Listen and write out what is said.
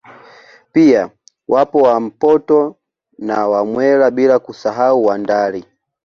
Pia wapo Wampoto na Wamwera bila kusahau Wandali